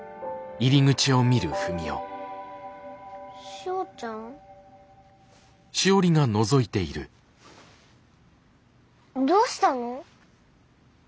しおちゃん？どうしたの？